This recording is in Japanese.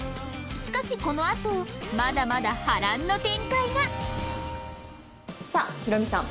しかしこのあとまだまだ波乱の展開がさあヒロミさん。